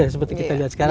seperti kita lihat sekarang